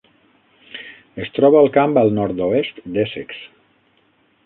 Es troba al camp al nord-oest d'Essex.